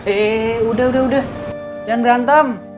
eh udah udah jangan berantem